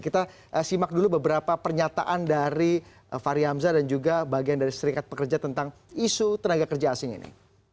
kita simak dulu beberapa pernyataan dari fahri hamzah dan juga bagian dari serikat pekerja tentang isu tenaga kerja asing ini